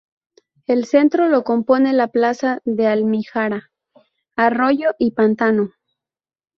El centro lo compone la plaza de almijara, arroyo y pantano.